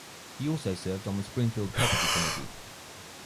He also served on the Springfield Property Committee.